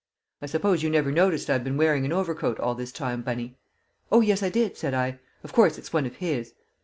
I suppose you never noticed I've been wearing an overcoat all this time, Bunny?" "Oh, yes, I did," said I. "Of course it's one of his?"